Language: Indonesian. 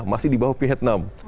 masih di bawah vietnam